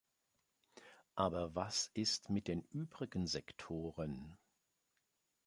Aber was ist mit den übrigen Sektoren?